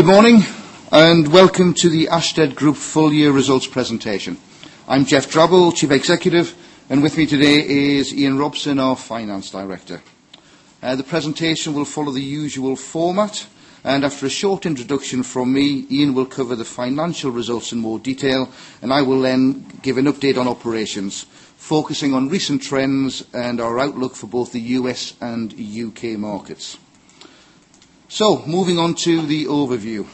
Good morning, and welcome to the ACHTAD Group Full Year Results Presentation. I'm Geoff Drabble, Chief Executive, and with me today is Ian Robson, our Finance Director. The presentation will follow the usual format. And after a short introduction from me, Iain will cover the financial results in more detail, and I will then give an update on operations, focusing on recent trends and our outlook for both the U. S. And U. K. Markets. So moving on to the overview.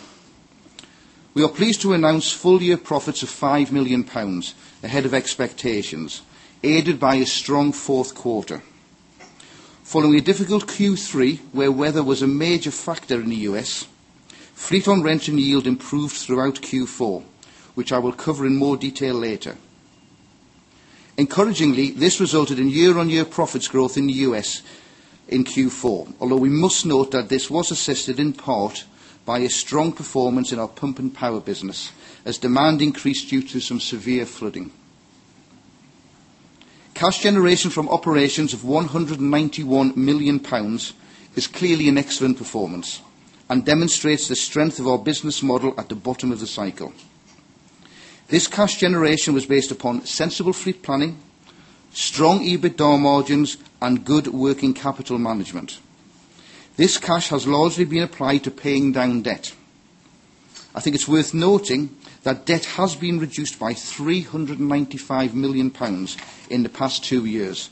We are pleased to announce full year profits of £5,000,000 ahead of expectations, aided by a strong 4th quarter. Following a difficult Q3 where weather was a major factor in the U. S, freight on rent and yield improved throughout Q4, which I will cover in more detail later. Encouragingly, this resulted in year on year profits growth in the U. S. In Q4, although we must note that this was assisted in part by a strong performance in our Pump and Power business as demand increased due to some severe flooding. Cash generation from operations of 191,000,000 pounds is clearly an excellent performance and demonstrates the strength of our business model at the bottom of the cycle. This cash generation was based upon sensible fleet planning, strong EBITDA margins and good working capital management. This cash has largely been applied to paying down debt. I think it's worth noting that debt has been reduced by 395,000,000 pounds in the past 2 years,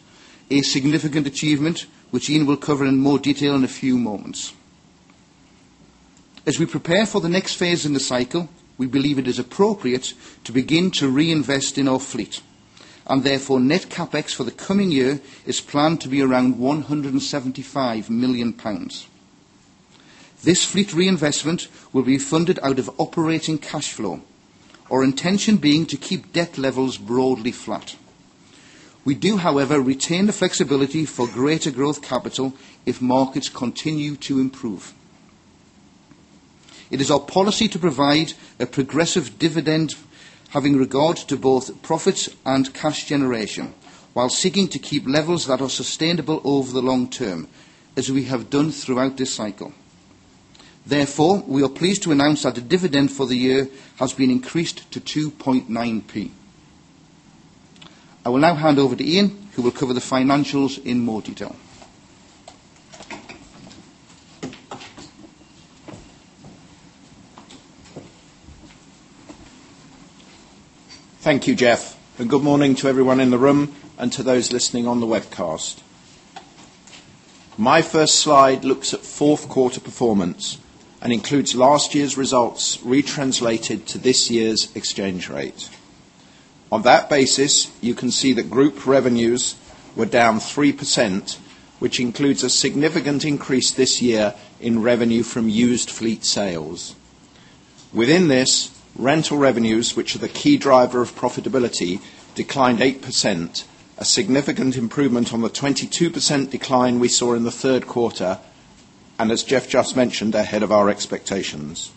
a significant achievement which Ian will cover in more detail in a few moments. As we prepare for the next phase in the cycle, we believe it is appropriate to begin to reinvest in our fleet. And therefore, net CapEx for the coming year is planned to be around 175,000,000 pounds This fleet reinvestment will be funded out of operating cash flow, our intention being to keep debt levels broadly flat. We do, however, retain the flexibility for greater growth capital if markets continue to improve. It is our policy to provide a progressive dividend having regard to both profits and cash generation while seeking to keep levels that are sustainable over the long term as we have done throughout this cycle. Therefore, we are pleased to announce that the dividend for the year has been increased to 2.9p. I will now hand over to Iain, who will cover the financials in more detail. Thank you, Jeff, and good morning to everyone in the room and to those listening on the webcast. My first slide looks at 4th quarter performance and includes last year's results retranslated to this year's exchange rate. On that basis, you can see that group revenues were down 3%, which includes a significant increase this year in revenue from used fleet sales. Within this, rental revenues, which are the key driver of profitability, declined 8%, a significant improvement on the 22% decline we saw in the Q3 and, as Jeff just mentioned, ahead of our expectations.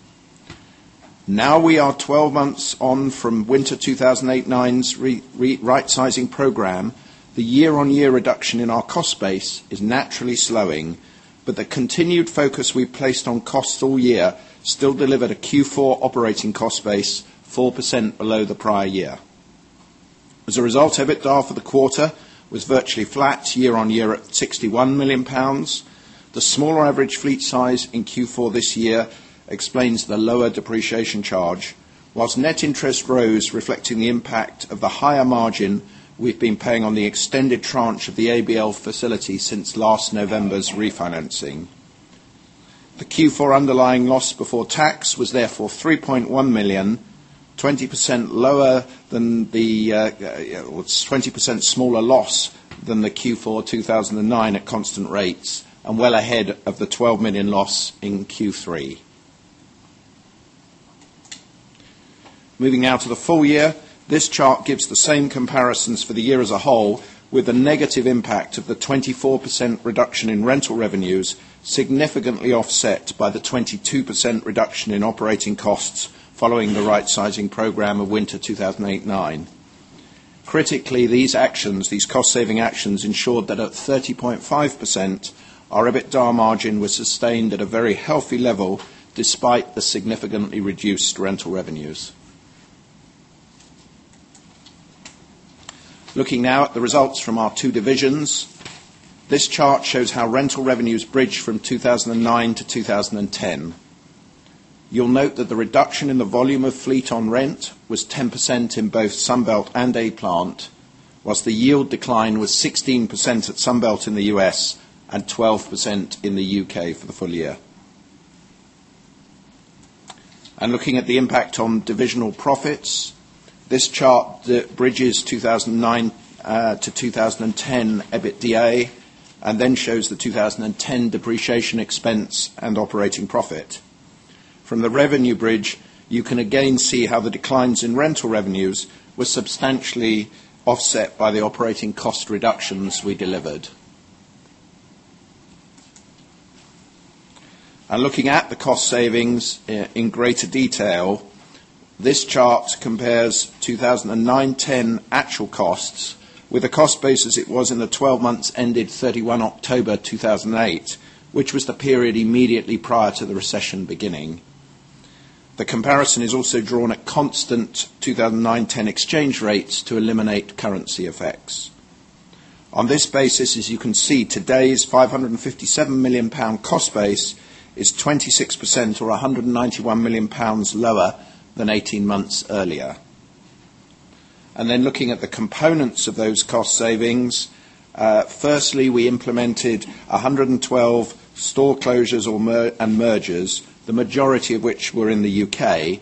Now we are 12 months on from winter 20 eightnine's REIT rightsizing program, the year on year reduction in our cost base is naturally slowing, but the continued focus we placed on costs all year still delivered a Q4 operating cost base 4% below the prior year. As a result, EBITDA for the quarter was virtually flat year on year at £61,000,000 The smaller average fleet size in Q4 this year explains the lower depreciation charge, whilst net interest rose, reflecting the impact of the higher margin we've been paying on the extended tranche of the ABL facility since last November's refinancing. The Q4 underlying loss before tax was therefore 3,100,000 pounds 20% lower than the or 20% smaller loss than the Q4 2009 at constant rates and well ahead of the £12,000,000 loss in Q3. Moving now to the full year. This chart gives the same comparisons for the year as a whole with the negative impact of the 24% reduction in rental revenues, significantly offset by the 22% reduction in operating costs following the rightsizing program of winter 20,08,009. Critically, these actions, these cost saving actions ensured that at 30.5%, our EBITDA margin was sustained at a very healthy level despite the significantly reduced rental revenues. Looking now at the results from our 2 divisions. This chart shows how rental revenues bridge from 2,009 to 2010. You'll note that the reduction in the volume of fleet on rent was 10% in both Sunbelt and A Plant, whilst the yield decline was 16% at Sunbelt in the U. S. And 12% in the U. K. For the full year. And looking at the impact on divisional profits. This chart bridges 2009 to 2010 EBITDA and then shows the 2010 depreciation expense and operating profit. From the revenue bridge, you can again see how the declines in rental revenues were substantially offset by the operating cost reductions we delivered. And looking at the cost savings in greater detail, this chart compares 2,009-ten actual costs with a cost basis it was in the 12 months ended 31 October 2008, which was the period immediately prior to the recession beginning. The comparison is also drawn at constant 20 nineten exchange rates to eliminate currency effects. On this basis, as you can see, today's 557,000,000 pound cost base is 26% or 191,000,000 pounds lower than 18 months earlier. And then looking at the components of those cost savings, firstly, we implemented 112 store closures or and mergers, the majority of which were in the U. K.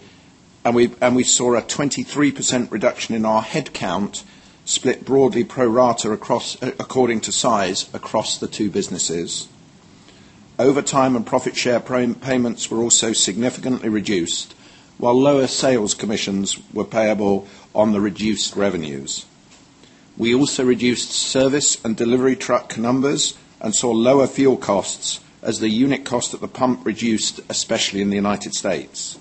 And we saw a 23% reduction in our headcount split broadly pro rata across according to size across the two businesses. Over time and profit share payments were also significantly reduced, while lower sales commissions were payable on the reduced revenues. We also reduced service and delivery truck numbers and saw lower fuel costs as the unit cost at the pump reduced, especially in the United States.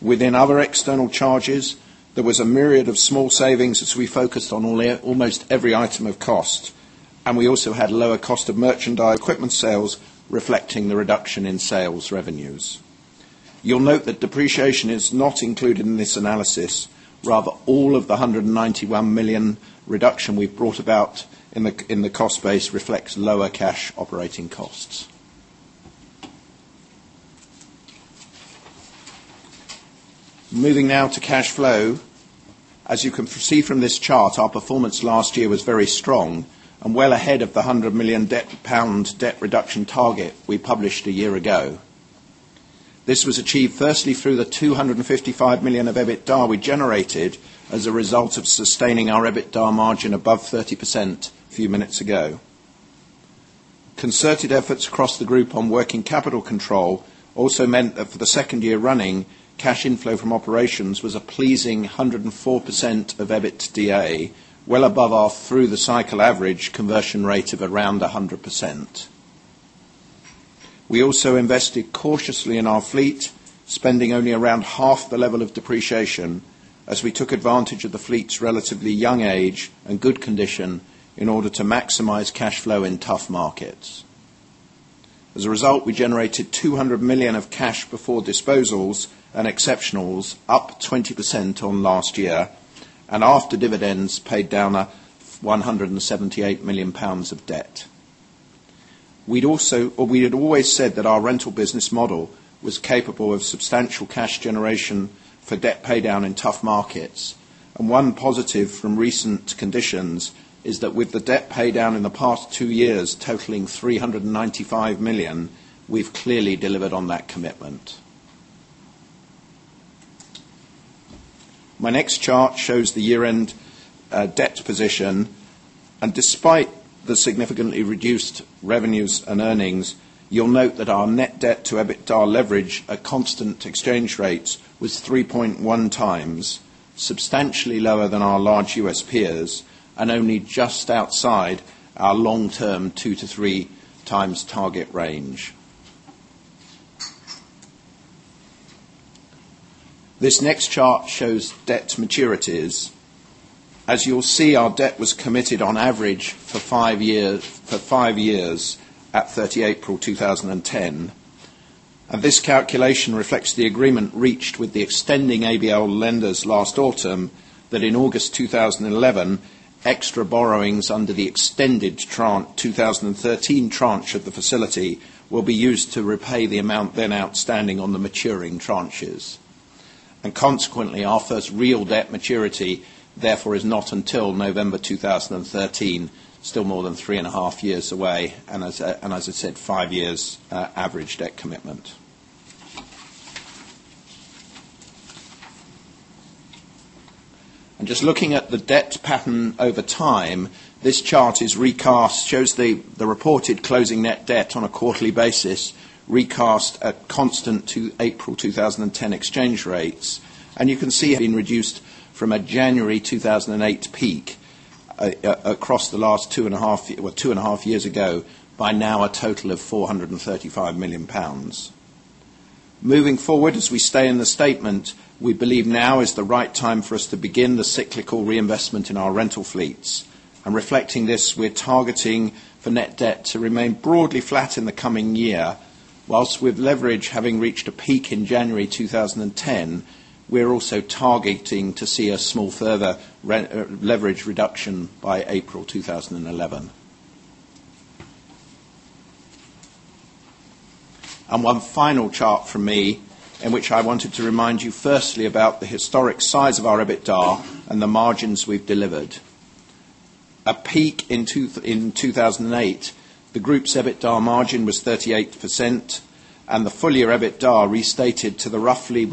Within other external charges, there was a myriad of small savings as we focused on almost every item of cost, and we also had lower cost of merchandise equipment sales, reflecting the reduction in sales revenues. You'll note that depreciation is not included in this analysis. Rather, all of the 191,000,000 reduction we've brought about in the cost base reflects lower cash operating costs. Moving now to cash flow. As you can see from this chart, our performance last year was very strong and well ahead of the £100,000,000 debt reduction target we published a year ago. This was achieved firstly through the 255,000,000 of EBITDA we generated as a result of sustaining our EBITDA margin above 30% a few minutes ago. Concerted efforts across the group on working capital control also meant that for the 2nd year running, cash inflow from operations was a pleasing 104% of EBITDA, well above our through the cycle average conversion rate of around 100%. We also invested cautiously in our fleet, spending only around half the level of depreciation as we took advantage of the fleet's relatively young age and good condition in order to maximize cash flow in tough markets. As a result, we generated 200,000,000 of cash before disposals and exceptionals, up 20% on last year and after dividends paid down £178,000,000 of debt. We'd also or we had always said that our rental business model was capable of substantial cash generation for debt pay down in tough markets. And one positive from recent conditions is that with the debt paydown in the past 2 years totaling 395,000,000 we've clearly delivered on that commitment. My next chart shows the year end debt position. And despite the significantly reduced revenues and earnings, you'll note that our net debt to EBITDA leverage at constant exchange rates was 3.1x, substantially lower than our large U. S. Peers and only just outside our long term 2 to 3 times target range. This next chart shows debt maturities. As you will see, our debt was committed on average for 5 years at 30 April 2010. And this calculation reflects the agreement reached with the extending ABL lenders last autumn that in August 2011, extra borrowings under the extended 2013 tranche of the facility will be used to repay the amount then outstanding on the maturing tranches. And consequently, our first real debt maturity, therefore, is not until November 2013, still more than 3.5 years away, and as I said, 5 years average debt commitment. And just looking at the debt pattern over time, this chart is recast, shows the reported closing net debt on a quarterly basis recast at constant to April 2010 exchange rates. And you can see it's been reduced from a January 2008 peak across the last 2.5 years ago by now a total of £435,000,000 Moving forward, as we stay in the statement, we believe now is the right time for us to begin the cyclical reinvestment in our rental fleets. And reflecting this, we're targeting for net debt to remain broadly flat in the coming year, Whilst with leverage having reached a peak in January 2010, we're also targeting to see a small further leverage reduction by April 2011. And one final chart from me in which I wanted to remind you firstly about the historic size of our EBITDA and the margins we've delivered. A peak in 2,008, the group's EBITDA margin was 38%, and the full year EBITDA restated to the roughly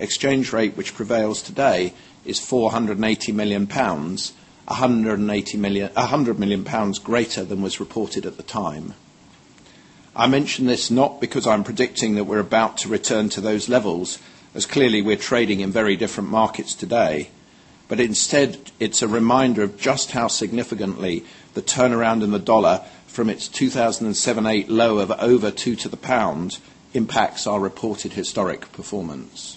exchange rate which prevails today is 480,000,000 pounds 100,000,000 pounds 100,000,000 100,000,000 pounds 100,000,000 pounds GBP greater than was reported at the time. I mention this not because I'm predicting that we're about to return to those levels as clearly we're trading in very different markets today, but instead, it's a reminder of just how significantly the turnaround in the dollar from its 2,007,008 low of over 2 to the pound impacts our reported historic performance.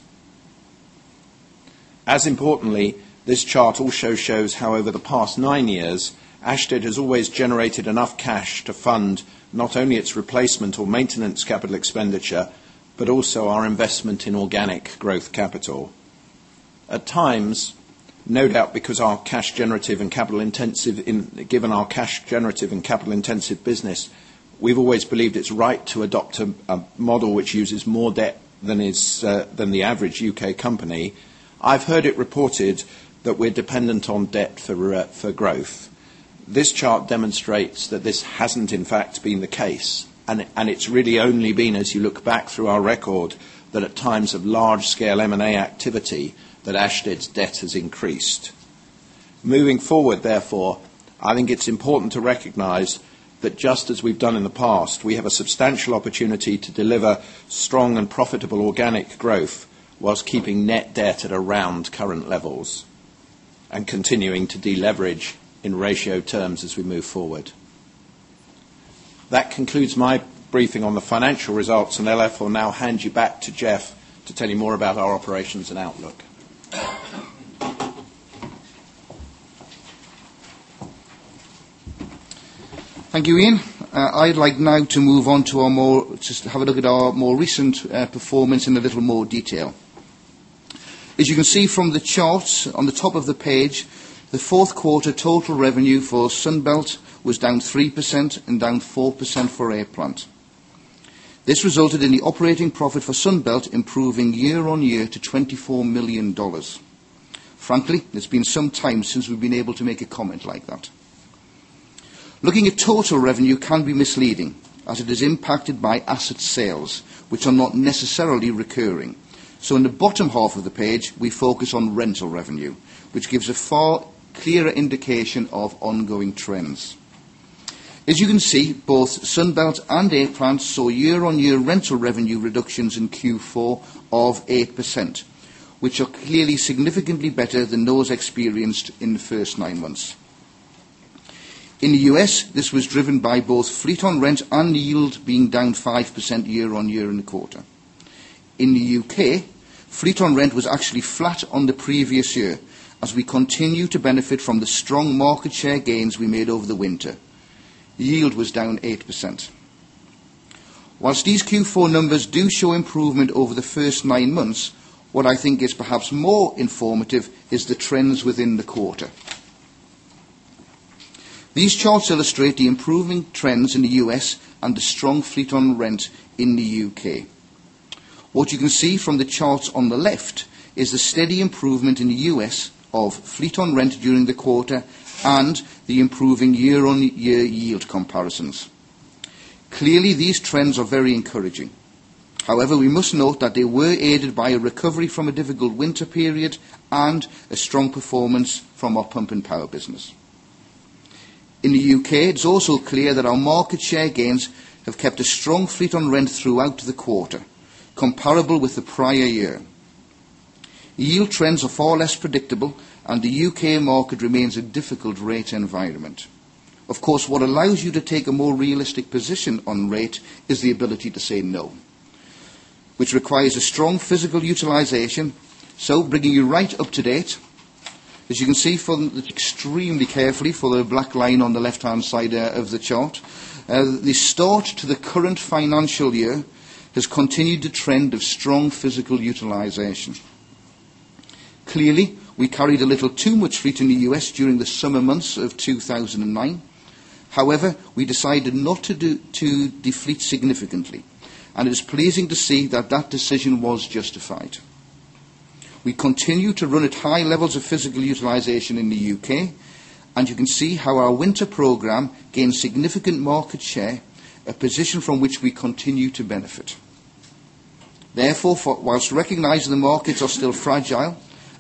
As importantly, this chart also shows how over the past 9 years, Ashtead has always generated enough cash to fund not only its replacement or maintenance capital expenditure, but also our investment in organic growth capital. At times, no doubt because our cash generative and capital intensive given our cash generative and capital intensive business, we've always believed it's right to adopt a model which uses more debt than the average U. K. Company. I've heard it reported that we're dependent on debt for growth. This chart demonstrates that this hasn't, in fact, been the case. And it's really only been, as you look back through our record, that at times of large scale M and A activity that Ashdeed's debt has increased. Moving forward, therefore, I think it's important to recognize that just as we've done in the past, we have a substantial opportunity to deliver strong and profitable organic growth whilst keeping net debt at around current levels and continuing to deleverage in ratio terms as we move forward. That concludes my briefing on the financial results, and LF will now hand you back to Jeff to tell you more about our operations and outlook. Thank you, Iain. I'd like now to move on to our more just have a look at our more recent performance in a little more detail. As you can see from the charts on the top of the page, the 4th quarter total revenue for Sunbelt was down 3% and down 4% for Air Plant. This resulted in the operating profit for Sunbelt improving year on year to $24,000,000 Frankly, it's been some time since we've been able to make a comment like that. Looking at total revenue can be misleading as it is impacted by asset sales, which are not necessarily recurring. So in the bottom half of the page, we focus on rental revenue, which gives a far clearer indication of ongoing trends. As you can see, both Sunbelt and A Plant saw year on year rental revenue reductions in Q4 of 8%, which are clearly significantly better than those experienced in the 1st 9 months. In the U. S, this was driven by both fleet on rent and yield being down 5% year on year in the quarter. In the U. K, fleet on rent was actually flat on the previous year as we continue to benefit from the strong market share gains we made over the winter. Yield was down 8%. Whilst these Q4 numbers do show improvement over the 1st 9 months, what I think is perhaps more informative is the trends within the quarter. These charts illustrate the improving trends in the U. S. And the strong fleet on rent in the U. K. What you can see from the charts on the left is the steady improvement in the U. S. Of fleet on rent during the quarter and the improving year on year yield comparisons. Clearly, these trends are very encouraging. However, we must note that they were aided by a recovery from a difficult winter period and a strong performance from our Pump and Power business. In the U. K, it's also clear that our market share gains have kept a strong fleet on rent throughout the quarter, comparable with the prior year. Yield trends are far less predictable and the U. K. Market remains a difficult rate environment. Of course, what allows you to take a more realistic position on rate is the ability to say no, which requires a strong physical utilization. So bringing you right up to date, as you can see from extremely carefully for the black line on the left hand side of the chart, the start to the current financial year has continued to trend of strong physical utilization. Clearly, we carried a little too much fleet in the U. S. During the summer months of 2,009. However, we decided not to deplete significantly, and it is pleasing to see that, that decision was justified. We continue to run at high levels of physical utilization in the U. K. And you can see how our winter program gained significant market share, a position from which we continue to benefit. Therefore, whilst recognizing the markets are still fragile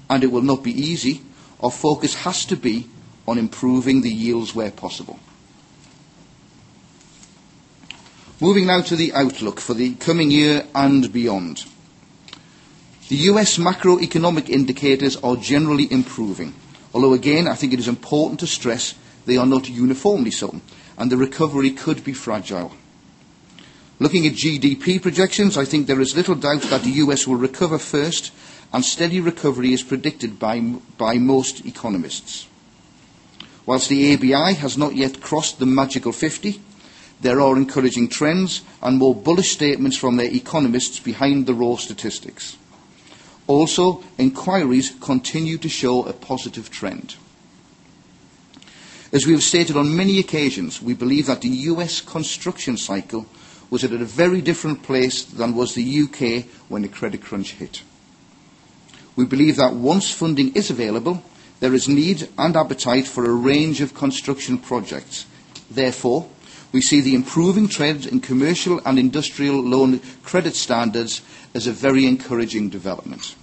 and it will not be easy, our focus has to be on improving the yields where possible. Moving now to the outlook for the coming year and beyond. The U. S. Macroeconomic indicators are generally improving, Although, again, I think it is important to stress they are not uniformly so, and the recovery could be fragile. Looking at GDP projections, I think there is little doubt that the U. S. Will recover first, and steady recovery is predicted by most economists. Whilst the ABI has not yet crossed the magical fifty, there are encouraging trends and more bullish statements from the economists behind the raw statistics. Also, inquiries continue to show a positive trend. As we have stated on many occasions, we believe that the U. S. Construction cycle was at a very different place than was the U. K. K. When the credit crunch hit. We believe that once funding is available, there is need and appetite for a range of construction projects. Therefore, we see the improving trends in commercial and industrial loan credit standards is a very encouraging development.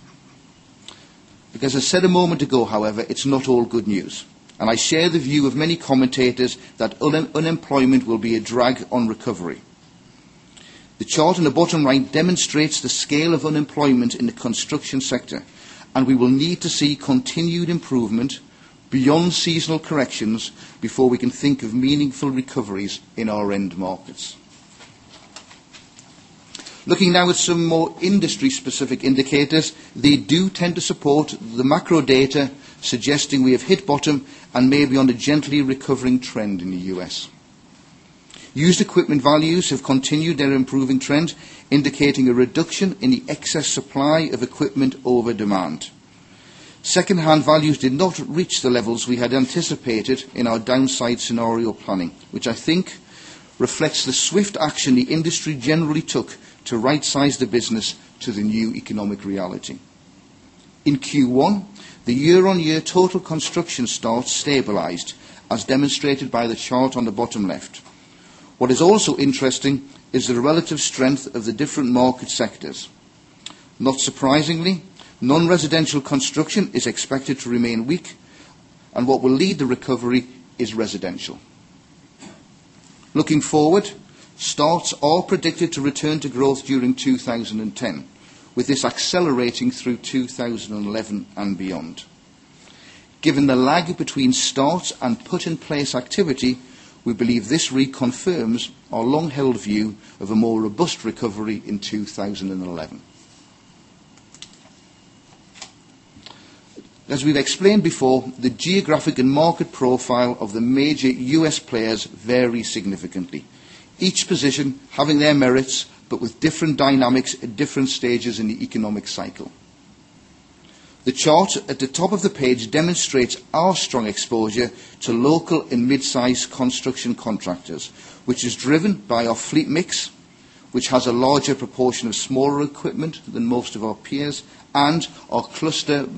Because I said a moment ago, however, it's not all good news. And I share the view of many commentators that unemployment will be a drag on recovery. The chart in the bottom right demonstrates the scale of unemployment in the construction sector, and we will need to see continued improvement beyond seasonal corrections before we can think of meaningful recoveries in our end markets. Looking now at some more industry specific indicators. They do tend to support the macro data suggesting we have hit bottom and may be on a gently recovering trend in the U. S. Used equipment values have continued their improving trend, indicating a reduction in the excess supply of equipment over demand. 2nd hand values did not reach the levels we had anticipated in our downside scenario planning, which I think reflects the swift action the industry generally took to right size the business to the new economic reality. In Q1, the year on year total construction starts stabilized as demonstrated by the chart on the bottom left. What is also interesting is the relative strength of the different market sectors. Not surprisingly, non residential construction is expected to remain weak and what will lead the recovery is residential. Looking forward, starts are predicted to return to growth during 2010, with this accelerating through 2011 beyond. Given the lag between starts and put in place activity, we believe this reconfirms our long held view of a more robust recovery in 2011. As we've explained before, the geographic and market profile of the major U. S. Players vary significantly, each position having their merits but with different dynamics at different stages in the economic cycle. The chart at the top of the page demonstrates our strong exposure to local and midsize construction contractors, which is driven by our fleet mix, which has a larger proportion of smaller equipment than most of our peers and our cluster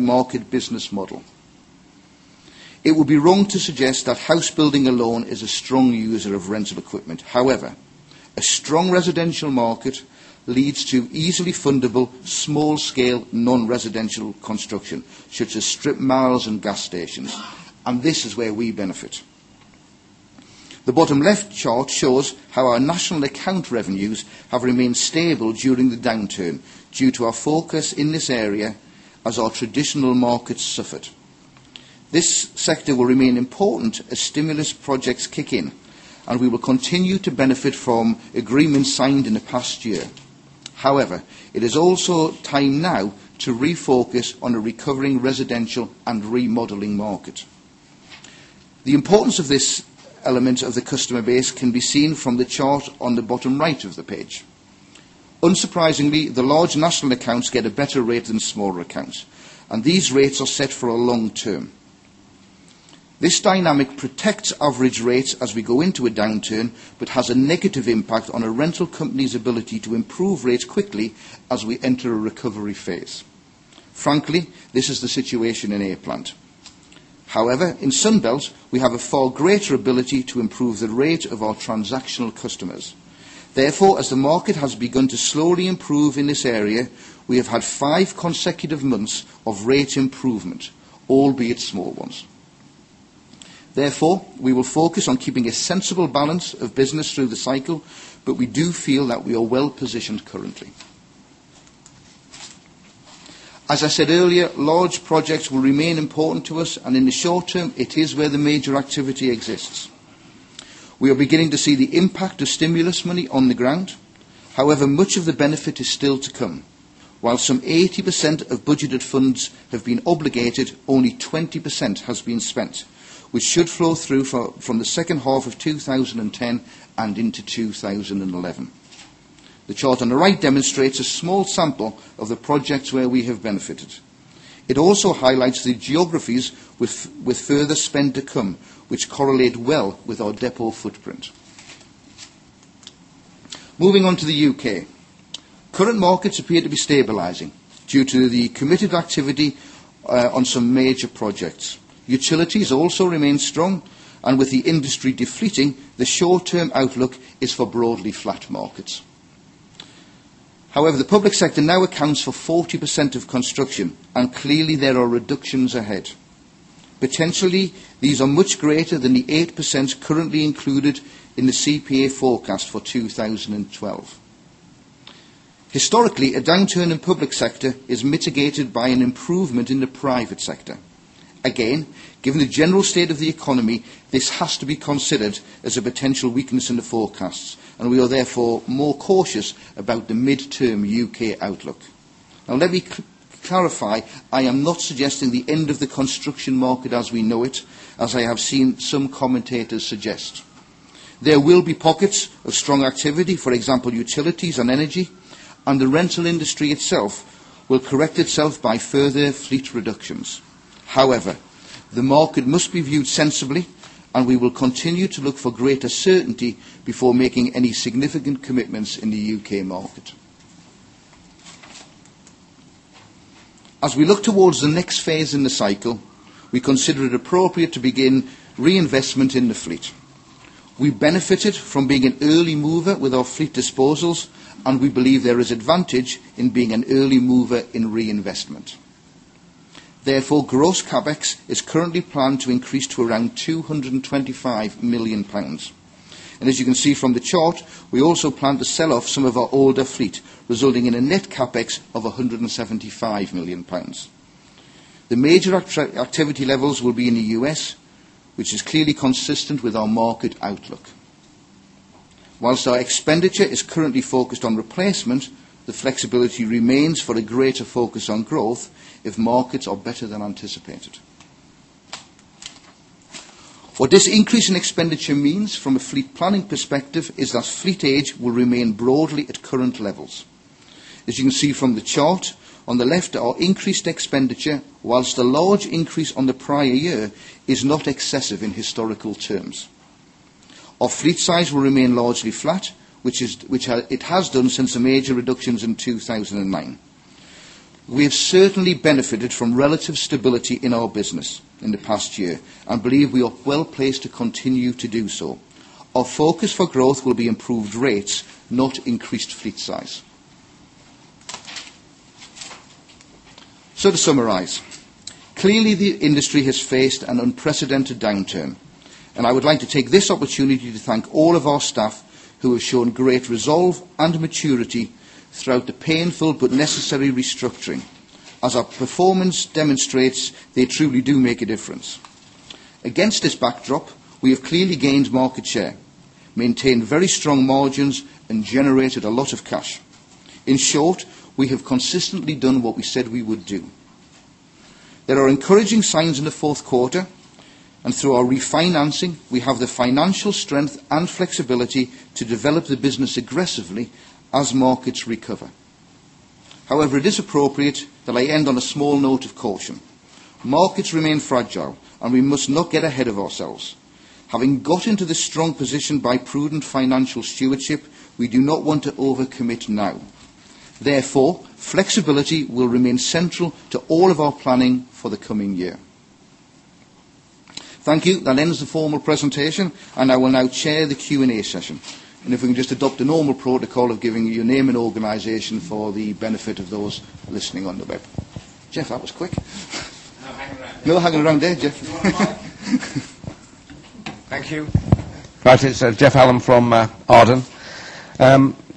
market business model. It would be wrong to suggest that housebuilding alone is a strong user of rental equipment. However, a strong residential market leads to easily fundable, small scale, nonresidential construction, such as strip malls and gas stations, and this is where we benefit. The bottom left chart shows how our national account revenues have remained stable during the downturn due to our focus in this area as our traditional markets suffered. This sector will remain important as stimulus projects kick in, and we will continue to benefit from agreements signed in the past year. However, it is also time now to refocus on a recovering residential and remodeling market. The importance of this element of the customer base can be seen from the chart on the bottom right of the page. Unsurprisingly, the large national accounts get a better rate than smaller accounts, and these rates are set for a long term. This dynamic protects average rates as we go into a downturn, but has a negative impact on a rental company's ability to improve rates quickly as we enter a recovery phase. Frankly, this is the situation in A Plant. However, in Sunbelt, we have a far greater ability to improve the rate of our transactional customers. Therefore, as the market has begun to slowly improve in this area, we have had 5 consecutive months of rate improvement, albeit small ones. Therefore, we will focus on keeping a sensible balance of business through the cycle, but we do feel that we are well positioned currently. As I said earlier, large projects will remain important to us. And in the short term, it is where the major activity exists. We are beginning to see the impact of stimulus money on the ground. However, much of the benefit is still to come. While some 80% of budgeted funds have been obligated, only 20% has been spent, which should flow through from the second half of twenty ten and into 2011. The chart on the right demonstrates a small sample of the projects where we have benefited. It also highlights the geographies with further spend to come, which correlate well with our depot footprint. Moving on to the U. K. Current markets appear to be stabilizing due to the committed activity on some major projects. Utilities also remain strong. And with the industry depleting, the short term outlook is for broadly flat markets. However, the public sector now accounts for 40% of construction, and clearly, there are reductions ahead. Potentially, these are much greater than the 8% currently included in the CPA forecast for 2012. Historically, a downturn in public sector is mitigated by an improvement in the private sector. Again, given the general state of the economy, this has to be considered as a potential weakness in the forecasts, and we are therefore more cautious about the midterm U. K. Outlook. Now let me clarify. I am not suggesting the end of the construction market as we know it, as I have seen some commentators suggest. There will be pockets of strong activity, for example, utilities and energy, and the rental industry itself will correct itself by further fleet reductions. However, the market must be viewed sensibly, and we will continue to look for greater certainty before making any significant commitments in the U. K. Market. As we look towards the next phase in the cycle, we consider it appropriate to begin reinvestment in the fleet. We benefited from being an early mover with our fleet disposals, and we believe there is advantage in being an early mover in reinvestment. Therefore, gross CapEx is currently planned to increase to around 225,000,000 pounds And as you can see from the chart, we also plan to sell off some of our older fleet, resulting in a net CapEx of 175,000,000 pounds The major activity levels will be in the U. S, which is clearly consistent with our market outlook. Whilst our expenditure is currently focused on replacement, the flexibility remains for a greater focus on growth if markets are better than anticipated. What this increase in expenditure means from a fleet planning perspective is that fleet age will remain broadly at current levels. As you can see from the chart, on the left, our increased expenditure whilst a large increase on the prior year is not excessive in historical terms. Our fleet size will remain largely flat, which is which it has done since the major reductions in 2,009. We have certainly benefited from relative stability in our business in the past year and believe we are well placed to continue to do so. Our focus for growth will be improved rates, not increased fleet size. So to summarize. Clearly, the industry has faced an unprecedented downturn. And I would like to take this opportunity to thank all of our staff who have shown great resolve and maturity throughout the painful but necessary restructuring as our performance demonstrates they truly do make a difference. Against this backdrop, we have clearly gained market share, maintained very strong margins and generated a lot of cash. In short, we have consistently done what we said we would do. There are encouraging signs in the Q4. And through our refinancing, we have the financial strength and flexibility to develop the business aggressively as markets recover. However, it is appropriate that I end on a small note of caution. Markets remain fragile, and we must not get ahead of ourselves. Having got into this strong position by prudent financial stewardship, we do not want to overcommit now. Therefore, flexibility will remain central to all of our planning for the coming year. Thank you. That ends the formal presentation, and I will now chair the Q and A session. And if we can just a normal protocol of giving your name and organization for the benefit of those listening on the web. Geoff, that was quick. Thank you. It's Geoff Hallum from Arden.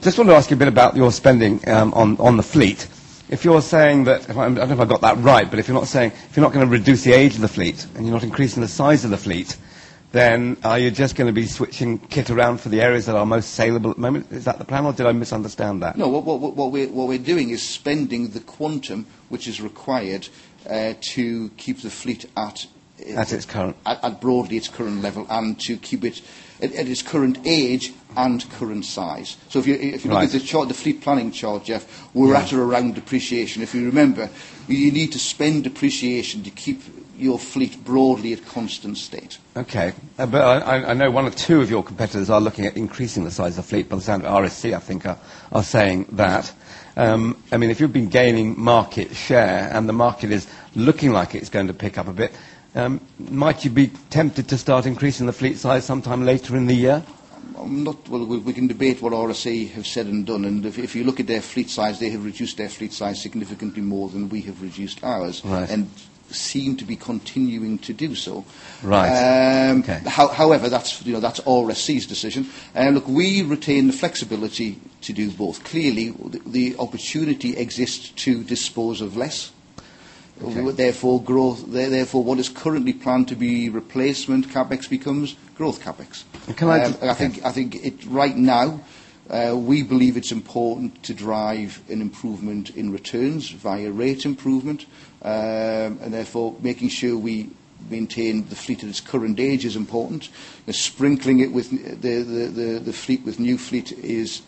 Just want to ask you a bit about your spending on the fleet. If you're saying that I don't know if I got that right, but if you're not saying if you're not going to reduce the age of the fleet and you're not increasing the size of the fleet, then are you just going to be switching kit around for the areas that are most saleable at the moment? Is that the plan? Or did I misunderstand that? No. What we're doing is spending the quantum which is required to keep the fleet at At its current. At broadly its current level and to keep it at its current age and current size. So if you look at the chart, the fleet planning chart, Jeff, we're at or around depreciation. If you remember, you need to spend depreciation to keep your fleet broadly at constant state. Okay. But I know 1 or 2 of your competitors are looking at increasing the size of fleet, but the sound of RSC, I think, are saying that. I mean, if you've been gaining market share and the market is looking like it's going to pick up a bit, might you be tempted to start increasing the fleet size sometime later in the year? I'm not well, we can debate what RSA have said and done. And if you look at their fleet size, they have reduced their fleet size significantly more than we have reduced ours and seem to be continuing to do so. However, that's RSC's decision. Look, we retain the flexibility to do both. Clearly, the opportunity exists to dispose of less. Therefore, growth therefore, what is currently planned to be replacement CapEx becomes growth CapEx. Can I I think right now, we believe it's important to drive an improvement in returns via rate improvement? And therefore, making sure we maintain the fleet at its current age is important. And Sprinkling it with the fleet with new fleet is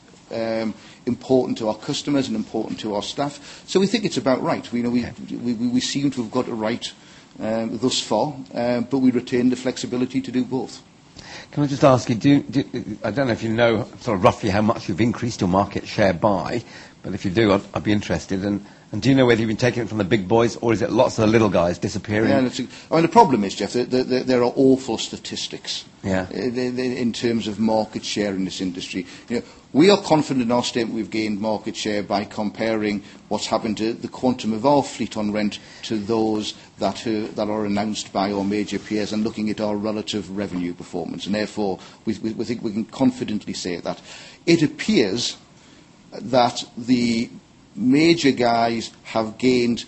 important to our customers and important to our staff. So we think it's about right. We seem to have got it right thus far, but we retain the flexibility to do both. Can I just ask you, I don't know if you know sort of roughly how much you've increased your market share by, but if you do, I'd be interested? And do you know whether you've been taking it from the big boys or is it lots of the little guys disappearing? Yes. I mean, the problem is, Jeff, there are awful statistics in terms of market share in this industry. We are confident in our state that we've gained market share by comparing what's happened to the quantum of our fleet on rent to those that are announced by our major peers and looking at our relative revenue performance. And therefore, we think we can confidently say that. It appears that the major guys have gained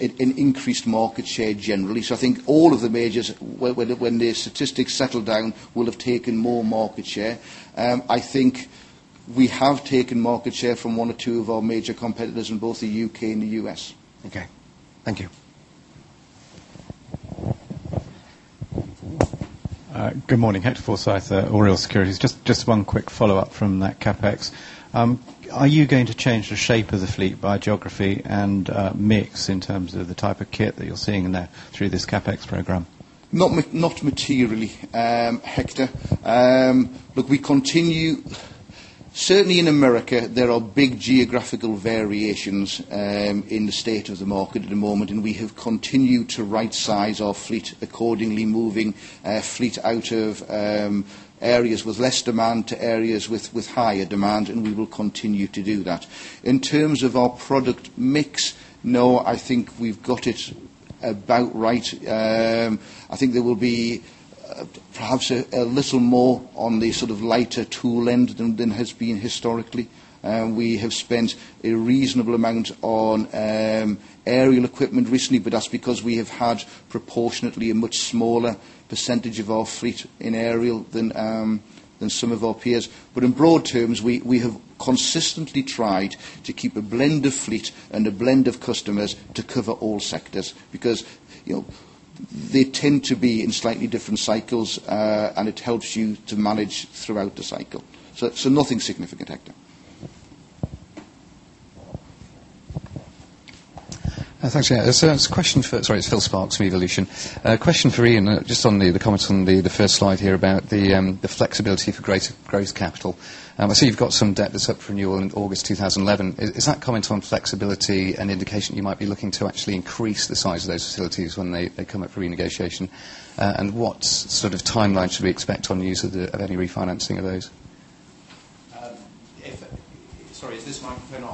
an increased market share generally. So I think all of the majors, when the statistics settle down, will have taken more market share. I think we have taken market share from 1 or 2 of our major competitors in both the U. K. And the U. S. Okay. Thank you. Hector Forsyth, Oriel Securities. Just one quick follow-up from that CapEx. Are you going to change the shape of the fleet by geography and mix in terms of the type of kit that you're seeing in there through this CapEx program? Not materially, Hector. Look, we continue certainly in America, there are big geographical variations in the state of the market at the moment. And we continued to right size our fleet accordingly, moving fleet out of areas with less demand to areas with higher demand, and we will continue to do that. In terms of our product mix, no, I think we've got it about right. I think there will be perhaps a little more on the sort of lighter tool end than has been historically. We have spent a reasonable amount on aerial equipment recently, but that's because we have had proportionately a much smaller percentage of our fleet in aerial than some of our peers. But in broad terms, we have consistently tried to keep a blend of fleet and a blend of customers to cover all sectors because they tend to be in slightly different cycles and it helps you to manage throughout the cycle. So nothing significant, Hector. Thanks, Ian. So it's a question for sorry, it's Phil Sparks from Evolution. A question for Ian. Just on the comments on the first slide here about the flexibility for greater growth capital. I see you've got some debt that's up renewal in August 2011. Is that comment on flexibility, an indication you might be looking to actually increase the size of those facilities when they come up for renegotiation? And what sort of time line should we expect on use of any refinancing of those? Sorry, is this mine going on? Yes. Okay.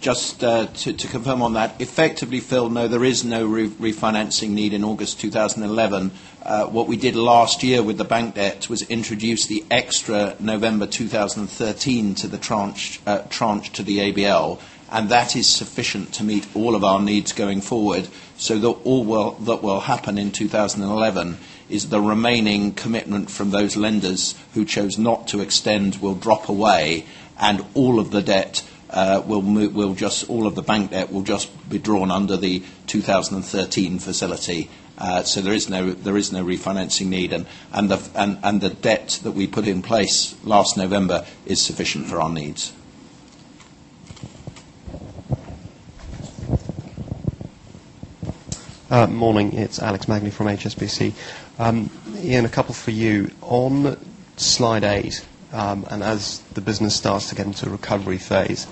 Just to confirm on that. Effectively, Phil, no, there is no refinancing need in August 2011. What we did last year with the bank debt was introduce the extra November 2013 to the tranche to the ABL. And that is sufficient to meet all of our needs going forward. So that all that will happen in 2011 is the remaining commitment from those lenders who chose not to extend will drop away, and all of the debt will just all of the bank debt will just be drawn under the 2013 facility. So, there is no refinancing need. And the debt that we put in place last November is sufficient for our needs. Morning. It's Alex Magni from HSBC. Ian, a couple for you. On Slide 8, and as the business starts to get into recovery phase,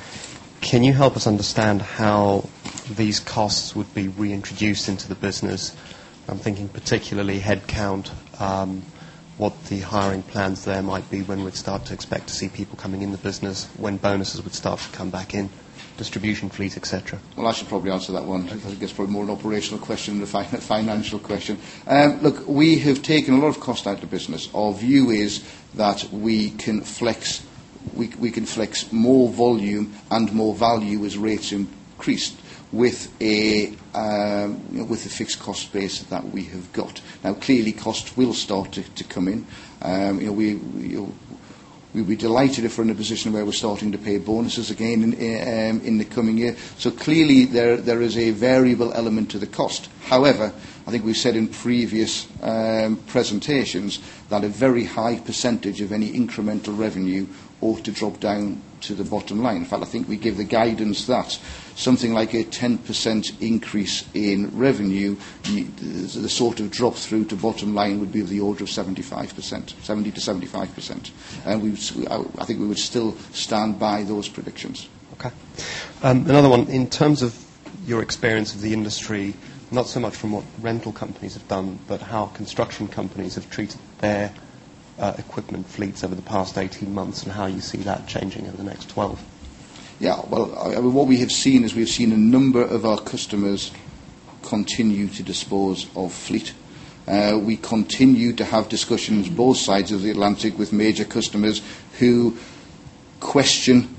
can you help us understand how these costs would be reintroduced into the business? I'm thinking particularly headcount, what the hiring plans there might be, when we'd start to expect to see people coming in the business, when bonuses would start to come back in, distribution fees, etcetera? Well, I should probably answer that one. I guess, probably more an operational question than a financial question. Look, we have taken a lot of cost out of the business. Our view is that we can flex more volume and more value as rates increase with a fixed cost base that we have got. Now clearly, cost will start to come in. We'll be delighted if we're in a position where we're starting to pay bonuses bonuses again in the coming year. So clearly, there is a variable element to the cost. However, I think we've said in previous presentations that a very high percentage of any incremental revenue ought to drop down to the bottom line. In fact, I think we gave the guidance that something like a 10% increase in revenue, the sort of drop through to bottom line would be of the order of 75%, 70% to 75%. And we I think we would still stand by those predictions. Okay. And another one. In terms of your experience of the industry, not so much from what rental companies have done, but how construction companies have treated their equipment fleets over the past 18 months and how you see that changing in the next 12? Yes. Well, what we have seen is we have seen a number of our customers continue to dispose of fleet. We continue to have discussions both sides of the Atlantic with major customers who question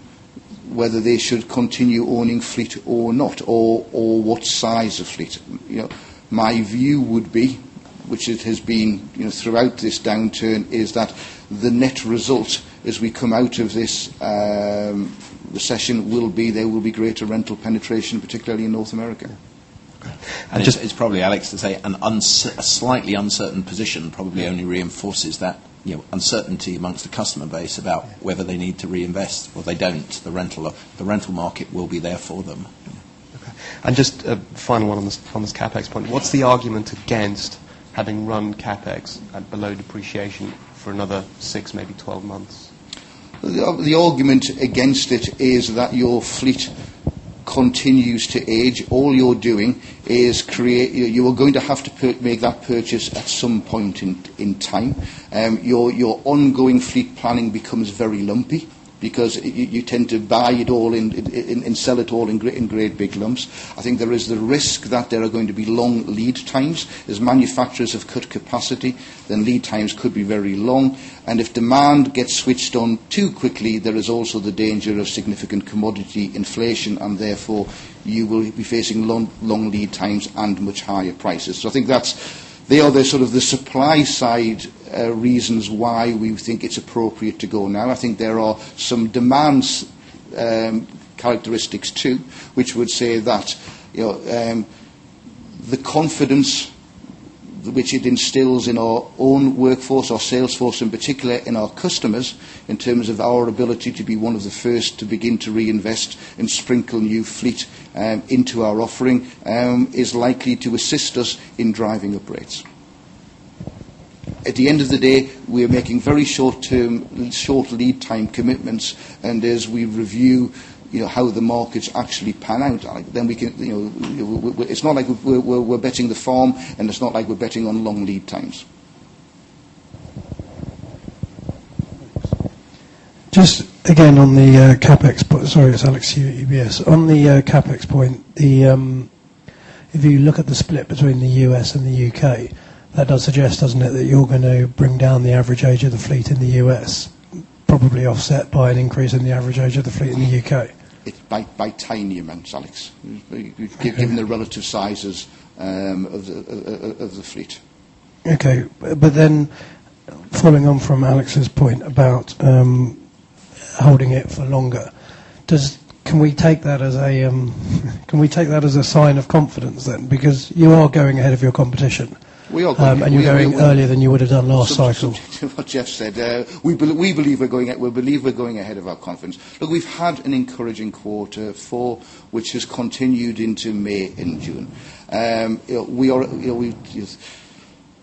whether they should continue owning fleet or not or what size of fleet. My view would be, which it has been throughout this downturn, is that the net result as we come out of this recession will be there will be greater rental penetration, particularly in North America. And just it's probably, Alex, to say a slightly uncertain position probably only reinforces that uncertainty amongst the customer base about whether they need to reinvest or they don't. The rental market will be there for them. Okay. And just a final one on this CapEx point. What's the argument against having run CapEx at below depreciation for another 6, maybe 12 months? The argument against it is that your fleet continues to age. All you're doing is create you are going to have to make that purchase at some point in time. Your ongoing fleet planning becomes very lumpy because you tend to buy it all and sell it all in great big lumps. I think there is the risk that there are going to be long lead times. As manufacturers have cut capacity, then lead times could be very long. And if demand gets switched on too quickly, there is also the danger of significant commodity inflation. And therefore, you will be facing long lead times. Reasons why reasons why we think it's appropriate to go now. I think there are some demands characteristics too, which would say that the confidence which it instills in our own workforce, our sales force, in particular, in our customers in terms of our ability to be one of the first to begin to reinvest and sprinkle new fleet into our offering is likely to assist us in driving upgrades. At the end of the day, we are making very short term short lead time commitments. And as we review how the markets actually pan out, then we can it's not like we're betting the farm, and it's not like we're betting on long lead times. Just again on the CapEx sorry, it's Alex here at UBS. On the CapEx point, the if you look at the split between the U. S. And the U. K, that does suggest, doesn't it, that you're going to bring down the average age of the fleet in the U. S, probably offset by an increase in the average age of the fleet in the U. K? It's by tiny amounts Alex, given the relative sizes of the fleet. Okay. But then following on from Alex's point about holding it for longer, can we take that as a sign of confidence then? Because you are going ahead of your competition. We are going ahead of your competition. And you're going earlier than you would have done last cycle. What Jeff said, we believe we're going ahead of our confidence. Look, we've had an encouraging quarter for which has continued into May June. We are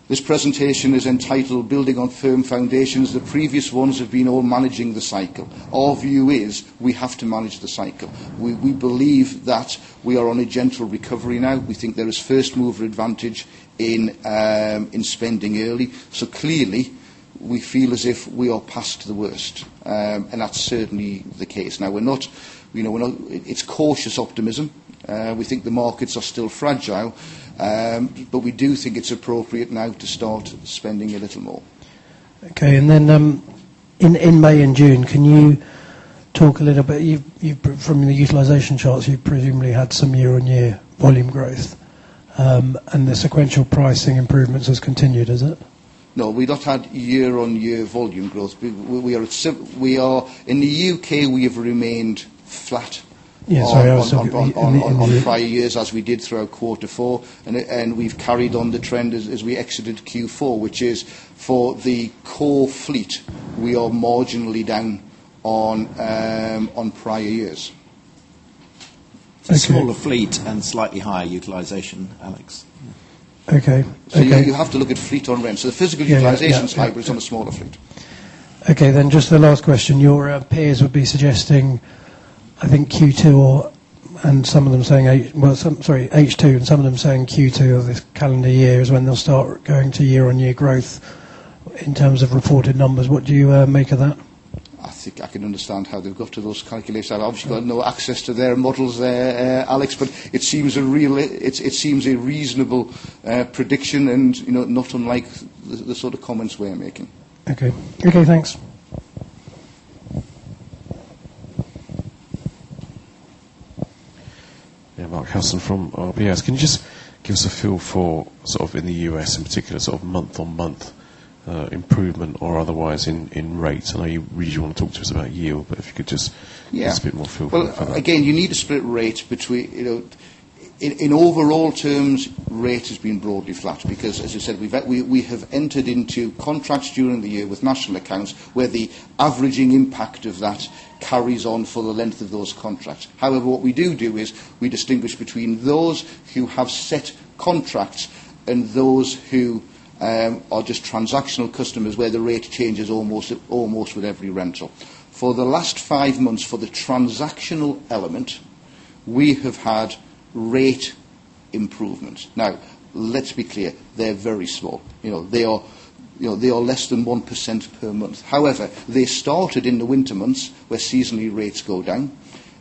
this presentation is entitled on firm foundations. The previous ones have been on managing the cycle. Our view is we have to manage the cycle. We believe that we are on a gentle recovery now. We think there is 1st mover advantage in spending early. So clearly, we feel as if we are past the worst. And that's certainly the case. Now we're not it's cautious optimism. We think the markets are still fragile. But we do think it's appropriate now to start spending a little more. Okay. And then in May June, can you talk a little bit from the utilization charts, you presumably had some year on year volume growth and the sequential pricing improvements has continued, is it? No, we've not had year on year volume growth. We are in the U. K, we have remained flat on prior years as we did throughout quarter 4. And we've carried on the trend as we exited Q4, which is for the core fleet, we are marginally down on prior years. Okay. Smaller fleet and slightly higher utilization, Alex. Okay. So you have to look at fleet on ramps. So the physical utilization is high, which is a smaller fleet. Okay. Then just the last question. Your peers would be suggesting, I think Q2 or and some of them saying well, sorry, H2 and some of them saying Q2 of this calendar year is when they'll start going to year on year growth in terms of reported numbers. What do you make of that? I think I can understand how they've got to those calculations. I've obviously got no access to their models there, Alex. But it seems a really it seems a reasonable prediction and not unlike the sort of comments we are making. Okay. Okay. Thanks. Mark Castle from RBS. Can you just give us a feel for sort of in the U. S, in particular, sort of month on month improvement or otherwise in rates? I know you really want to talk to us about yield, but if you could just give us a bit more feel for that. Yes. Well, again, you need to split rates between in overall terms, rate has been broadly flat because as you said, we have entered into contracts during the year with national accounts where the averaging impact of that carries on for the length of those contracts. However, what we do do is we distinguish between those who have set contracts and those who are just transactional customers where the rate changes almost with every rental. For the last 5 months, for the transactional element, we have had rate improvements. Now let's be clear, they're very small. They are less than 1% per month. However, they started in the winter months where seasonally rates go down.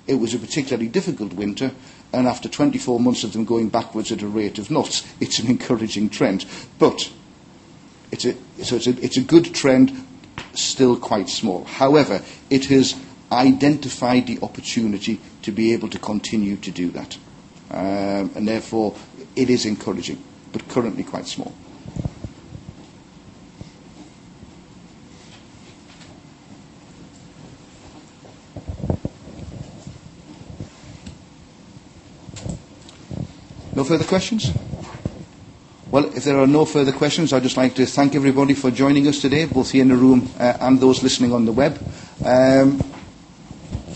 It was a particularly difficult winter. And after 24 months of them going backwards at a rate of nuts, it's an encouraging trend. But it's a good trend, still quite small. However, it has identified the opportunity to be able to continue to do that. And therefore, it is encouraging, but currently quite small. No further questions? Well, if there are no further questions, I'd just like to thank everybody for joining us today. We'll see you in the room and those listening on the web.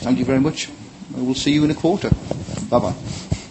Thank you very much. We'll see you in a quarter. Bye bye.